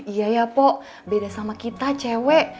iya ya pok beda sama kita cewek